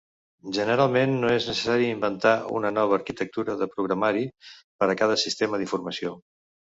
Generalment, no és necessari inventar una nova arquitectura de programari per a cada sistema d'informació.